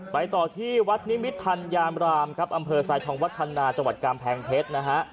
ไปต่อที่วัดนิมิทธันยามรามอำเภอสายทองวัดธนาจังหวัดกามแพงเพชรนะฮะ